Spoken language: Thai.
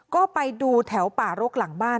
ก็ไปดูแถวป่ารกหลังบ้าน